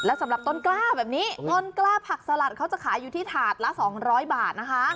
สำหรับต้นกล้าแบบนี้ต้นกล้าผักสลัดเขาจะขายอยู่ที่ถาดละ๒๐๐บาทนะคะ